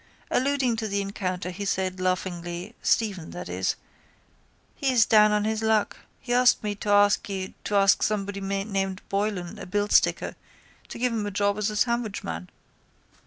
Alluding to the encounter he said, laughingly, Stephen, that is: —He is down on his luck. He asked me to ask you to ask somebody named Boylan, a billsticker, to give him a job as a sandwichman.